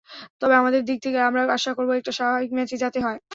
তবে আমাদের দিক থেকে আমরা আশা করব—একটা স্বাভাবিক ম্যাচই যাতে হয়।